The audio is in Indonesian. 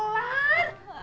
abis emak berhentinya lama